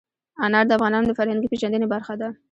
انار د افغانانو د فرهنګي پیژندنې برخه ده.